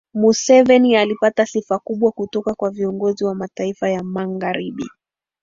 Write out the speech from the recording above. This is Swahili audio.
museveni alipata sifa kubwa kutoka kwa viongozi wa mataifa ya magharibi